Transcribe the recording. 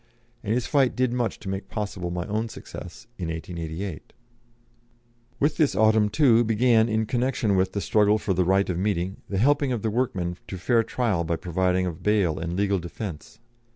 And his fight did much to make possible my own success in 1888. With this autumn, too, began, in connection with the struggle for the right of meeting, the helping of the workmen to fair trial by providing of bail and legal defence.